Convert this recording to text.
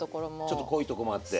ちょっと濃いとこもあって。